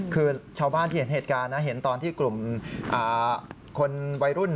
คือชาวบ้านที่เห็นเหตุการณ์นะเห็นตอนที่กลุ่มคนวัยรุ่น